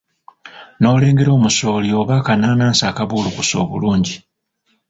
N'olengera omusooli oba akanaanansi akabuulukuse obulungi.